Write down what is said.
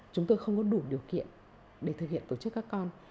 chúng tôi không có đủ điều kiện để thực hiện tổ chức các con